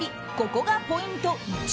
ここがポイント１。